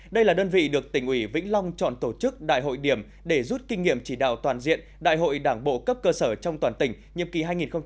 đây là đơn vị được tỉnh ủy vĩnh long chọn tổ chức đại hội điểm để rút kinh nghiệm chỉ đạo toàn diện đại hội đảng bộ cấp cơ sở trong toàn tỉnh nhiệm kỳ hai nghìn hai mươi hai nghìn hai mươi năm